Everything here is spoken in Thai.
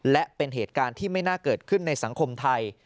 และเป็นเหตุการณ์ที่ไม่น่าเกิดขึ้นในสังคมไทย